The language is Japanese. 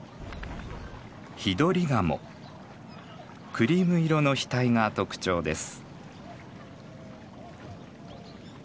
クリーム色の額が特徴です。